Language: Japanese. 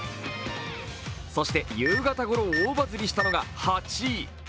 そして、夕方ごろ大バズりしたのが８位。